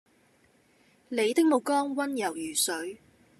你的目光溫柔如水